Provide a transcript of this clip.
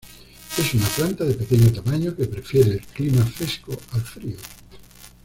Es una planta de pequeño tamaño, que prefiere el clima fresco al frío.